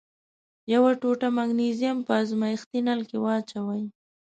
یوه ټوټه مګنیزیم په ازمیښتي نل کې واچوئ.